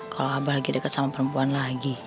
kalau abah lagi dekat sama perempuan lagi